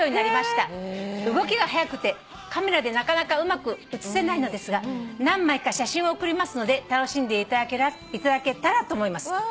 「動きが速くてカメラでなかなかうまく写せないのですが何枚か写真を送りますので楽しんでいただけたらと思います」